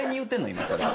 今それは。